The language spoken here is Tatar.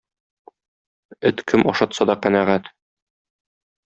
Эт кем ашатса да канәгать.